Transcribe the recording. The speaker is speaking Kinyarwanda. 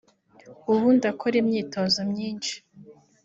ubu ndakora imyitozo myinshi